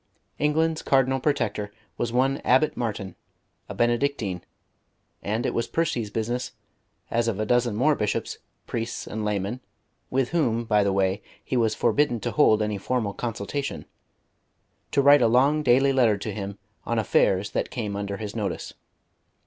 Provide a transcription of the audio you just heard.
England's Cardinal Protector was one Abbot Martin, a Benedictine, and it was Percy's business, as of a dozen more bishops, priests and laymen (with whom, by the way, he was forbidden to hold any formal consultation), to write a long daily letter to him on affairs that came under his notice.